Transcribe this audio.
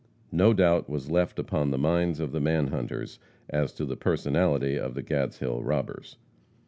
No doubt was left upon the minds of the man hunters as to the personalty of the Gadshill robbers.